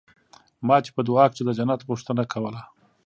ما چې په دعا کښې د جنت غوښتنه کوله.